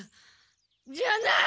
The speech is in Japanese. じゃない！